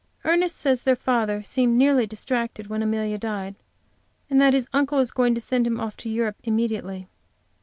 Ernest says their father seemed nearly distracted when Amelia died, and that his uncle is going to send him off to Europe immediately.